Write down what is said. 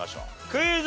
クイズ。